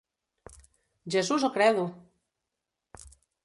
Jesús o credo!